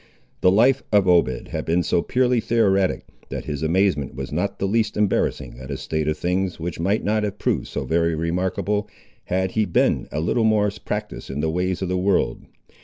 The life of Obed had been so purely theoretic, that his amazement was not the least embarrassing at a state of things which might not have proved so very remarkable had he been a little more practised in the ways of the world.